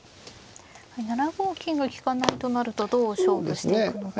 ７五金が利かないとなるとどう勝負していくのか。